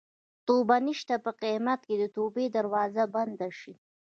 توبه نشته په قیامت کې به د توبې دروازه بنده شي.